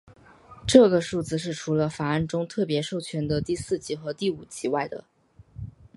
这个数字是除了法案中特别授权的第四级和第五级外的。